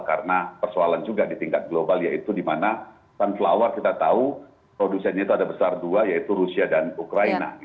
karena persoalan juga di tingkat global yaitu di mana sunflower kita tahu producenya itu ada besar dua yaitu rusia dan ukraina